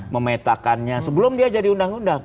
memetakannya sebelum dia jadi undang undang